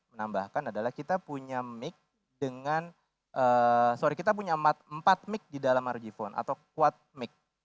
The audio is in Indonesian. menambahkan adalah kita punya mic dengan sorry kita punya empat mic di dalam rog phone atau quad mic